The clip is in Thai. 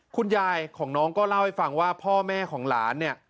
คุณยายของน้องก็เล่าให้ฟังว่าพ่อแม่ของหลานเนี่ย